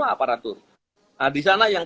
aparatur nah disana yang